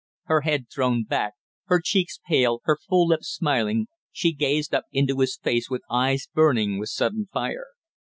Her head thrown back, her cheeks pale, her full lips smiling, she gazed up into his face with eyes burning with sudden fire.